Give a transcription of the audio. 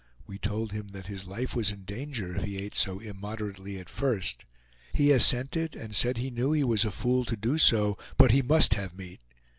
We told him that his life was in danger if he ate so immoderately at first. He assented, and said he knew he was a fool to do so, but he must have meat.